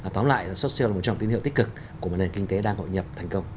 tóm lại xuất siêu là một trong tín hiệu tích cực của một nền kinh tế đang hội nhập thành công